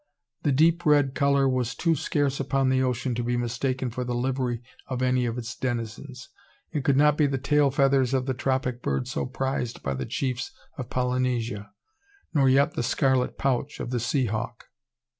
The deep red colour was too scarce upon the ocean to be mistaken for the livery of any of its denizens. It could not be the tail feathers of the tropic bird so prized by the chiefs of Polynesia; nor yet the scarlet pouch of the sea hawk.